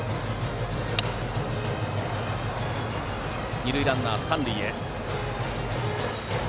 二塁ランナーは三塁へ。